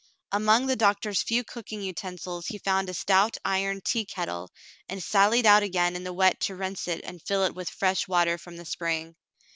Among the doctor's few cooking utensils he found a stout iron tea kettle and sallied out again in the wet to rinse it and fill it with fresh water from the spring.